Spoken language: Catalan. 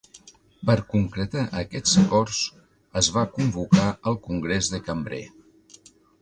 Per concretar aquests acords es va convocar el Congrés de Cambrai.